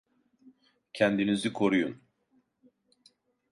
Kendinizi koruyun!